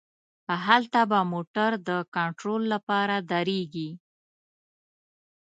هلته به موټر د کنترول له پاره دریږي.